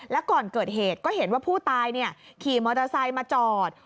แล้วก่อนเกิดเหตุก็เห็นว่าผู้ตายขี่มอเตอร์ไซค์มาจอด